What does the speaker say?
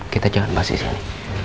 kita jangan basi sini